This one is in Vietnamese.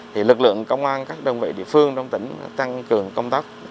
các đối tượng công an các đơn vị địa phương trong tỉnh tăng cường công tác